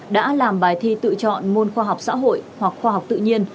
đã làm bài thi tự chọn môn khoa học xã hội hoặc khoa học tự nhiên